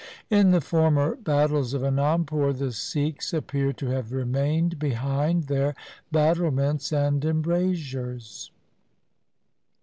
In the former battles of Anandpur the Sikhs appear to have remained behind their battlements and embrasures.